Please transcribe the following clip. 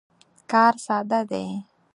کار ساده دی.